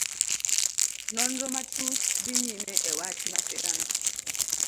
Nonro matut dhi nyime e wach masirano.